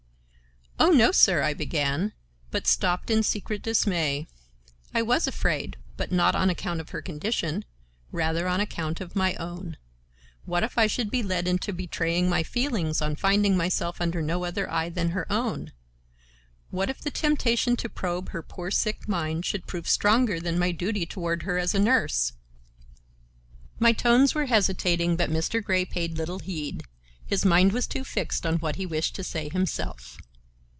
"O no, sir—" I began, but stopped in secret dismay. I was afraid, but not on account of her condition; rather on account of my own. What if I should be led into betraying my feelings on finding myself under no other eye than her own! What if the temptation to probe her poor sick mind should prove stronger than my duty toward her as a nurse! My tones were hesitating but Mr. Grey paid little heed; his mind was too fixed on what he wished to say himself.